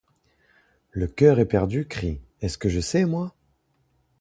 Le cœur éperdu crie: Est-ce que je sais, moi?